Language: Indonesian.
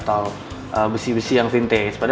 untuk lebih banyak orang yang mau pakai produk kita